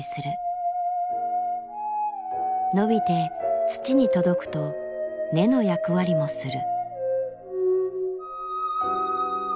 伸びて土に届くと根の役割もする。